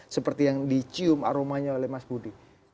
seperti yang dicium aromanya oleh mas budi